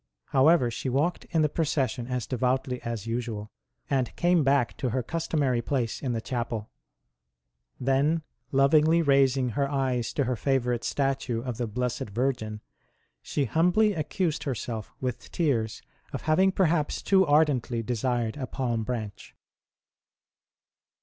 However, she walked in the procession DIVINE VISITANTS TO HER CELL l6l as devoutly as usual, and came back to her customary place in the chapel ; then, lovingly raising her eyes to her favourite statue of the Blessed Virgin, she humbly accused herself with tears of having perhaps too ardently desired a palm branch.